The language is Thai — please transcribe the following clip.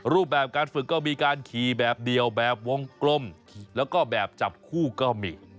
รูปแบบการฝึกก็มีการขี่แบบเดียวแบบวงกลมแล้วก็แบบจับคู่ก็มี